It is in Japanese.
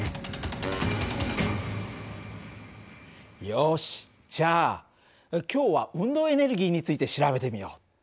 よしじゃあ今日は運動エネルギーについて調べてみよう。